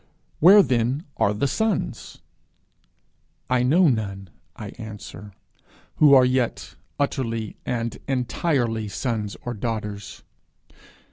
Where then are the sons? I know none, I answer, who are yet utterly and entirely sons or daughters.